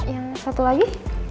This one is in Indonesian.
yang satu lagi